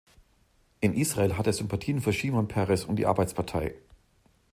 In Israel hat er Sympathien für Shimon Peres und die Arbeitspartei.